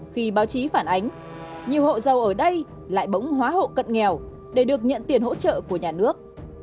khi báo chí phản ánh nhiều hộ giàu ở đây lại bóng hóa hộ cận nghèo để được nhận tiền hỗ trợ của nhà nước